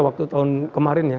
waktu tahun kemarin ya